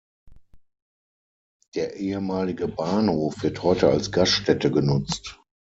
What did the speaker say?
Der ehemalige Bahnhof wird heute als Gaststätte genutzt.